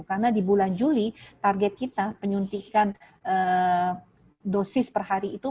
karena di bulan juli target kita penyuntikan dosis per hari itu